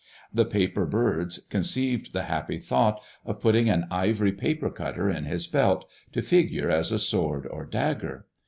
The paper birds conceived the happy thought of putting an ivory paper cutter in his belt, to figure as a sword or dagger.